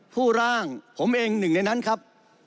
ผู้ร่างผมเองหนึ่งในนั้นครับ